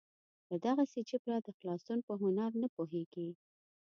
له دغسې جبره د خلاصون په هنر نه پوهېږي.